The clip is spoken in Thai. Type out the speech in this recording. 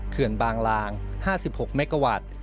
เขื่อนบางลาง๕๖เมกาวัตต์